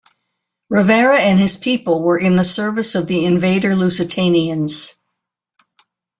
Rivera and his people were in the service of the invader Lusitanians.